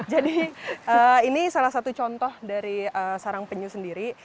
jadi ini salah satu contoh dari sarang penyu sendiri